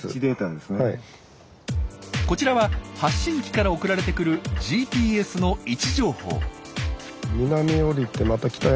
こちらは発信機から送られてくるＧＰＳの位置情報。